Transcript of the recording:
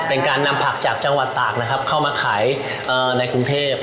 เป็นการนำผักจากจังหวัดตากนะครับเข้ามาขายในกรุงเทพ